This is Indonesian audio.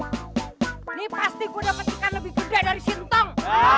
ini pasti gue dapet ikan lebih gede dari sintong